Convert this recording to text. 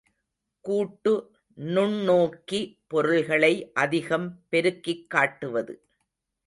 கூட்டு நுண்ணோக்கி பொருள்களை அதிகம் பெருக்கிக் காட்டுவது.